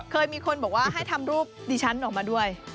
เคยมีคนบอกว่าให้ทำรูปดิฉันออกมาด้วย